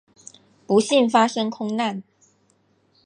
不幸发生空难。